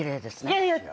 いやいや。